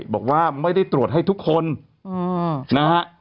บอกว่าไม่ได้ตรวจให้ทุกคนนะฮะ